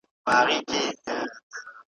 احوال یې کښلی زموږ د ښار دی `